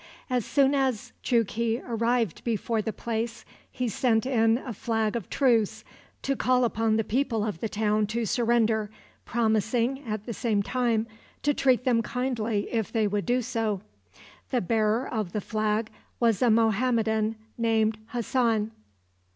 As soon as Jughi arrived before the place, he sent in a flag of truce to call upon the people of the town to surrender, promising, at the same time, to treat them kindly if they would do so. The bearer of the flag was a Mohammedan named Hassan.